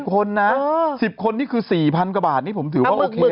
๑๐คนนะ๑๐คนนี่คือ๔๐๐๐กว่าบาทผมถือว่าโอเคแล้วนะ